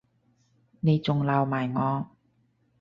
你仲鬧埋我